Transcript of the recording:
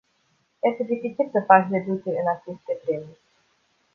Este dificil să faci reduceri în aceste vremuri.